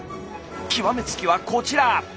極め付きはこちら。